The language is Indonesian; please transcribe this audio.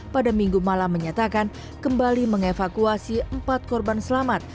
pada minggu malam menyatakan kembali mengevakuasi empat korban selamat